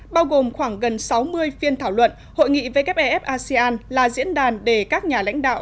bao gồm khoảng gần sáu mươi phiên thảo luận hội nghị wef asean là diễn đàn để các nhà lãnh đạo